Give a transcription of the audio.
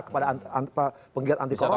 kepada penggiat anti korupsi